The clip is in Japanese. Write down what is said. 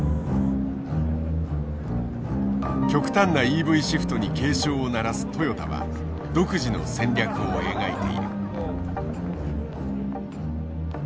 極端なＥＶシフトに警鐘を鳴らすトヨタは独自の戦略を描いている。